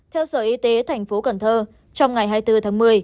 theo sở y tế tp cần thơ trong ngày hai mươi bốn tháng một mươi